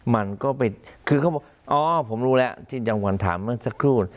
มันก็ไปคือเขาอ๋อผมรู้แล้วที่จำกว่าถามมันสักครู่